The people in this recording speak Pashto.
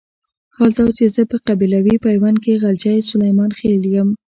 حال دا چې زه په قبيلوي پيوند کې غلجی سليمان خېل يم.